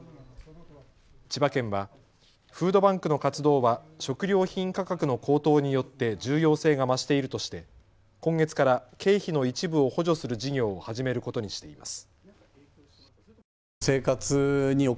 千葉県はフードバンクの活動は食料品価格の高騰によって重要性が増しているとして今月から経費の一部を補助する事業を始めることにしています。